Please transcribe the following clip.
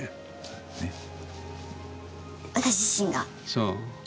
そう。